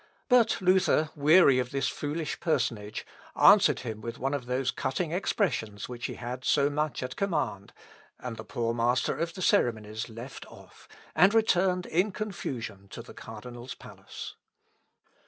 But Luther, weary of this foolish personage, answered him with one of those cutting expressions which he had so much at command, and the poor master of the ceremonies left off, and returned in confusion to the cardinal's palace.